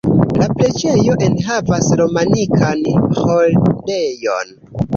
La preĝejo enhavas romanikan Ĥorejon.